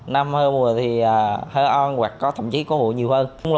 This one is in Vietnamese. nam hơi mùa thì hơi on hoặc có thậm chí có hộ nhiều hơn